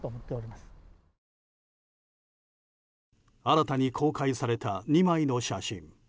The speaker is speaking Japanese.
新たに公開された２枚の写真。